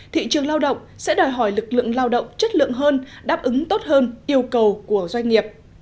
thị trường lao động sẽ đòi hỏi lực lượng lao động chất lượng hơn đáp ứng tốt hơn yêu cầu của doanh nghiệp